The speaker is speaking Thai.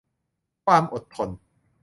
ความอดทน